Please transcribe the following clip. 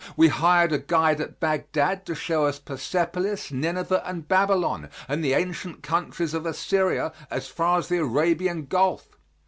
We hired a guide at Bagdad to show us Persepolis, Nineveh and Babylon, and the ancient countries of Assyria as far as the Arabian Gulf.